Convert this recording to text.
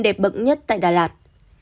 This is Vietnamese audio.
đẹp bậc nhất tại đà lạt